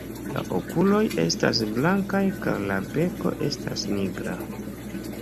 La okuloj estas blankaj kaj la beko estas nigra.